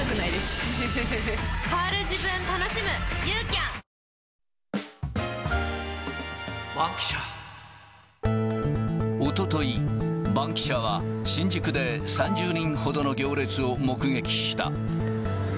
例えば、おととい、バンキシャは新宿で３０人ほどの行列を目撃した。